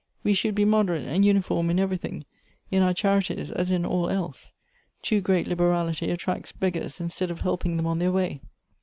We should be moderate and uniform in every thing, in our charities as in all else ; too great liberality attracts beggars instead of helping them on their way.